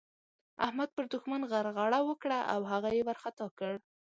احمد پر دوښمن غرغړه وکړه او هغه يې وارخطا کړ.